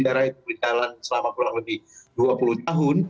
yang berjalan selama kurang lebih dua puluh tahun